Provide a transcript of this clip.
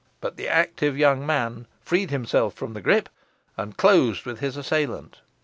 But the active young man freed himself from the gripe, and closed with his assailant.